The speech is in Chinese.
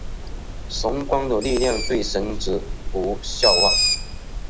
神官的力量对神族无效化。